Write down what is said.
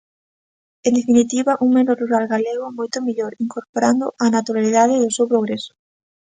En definitiva, un medio rural galego moito mellor, incorporando a naturalidade do seu progreso.